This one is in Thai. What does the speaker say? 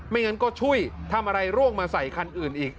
งั้นก็ช่วยทำอะไรร่วงมาใส่คันอื่นอีก